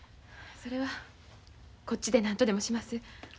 それはこっちでなんとでもします。